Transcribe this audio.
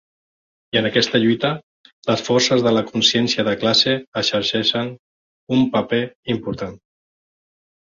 I en aquesta lluita, les forces de la consciència de classe exerceixen un paper important.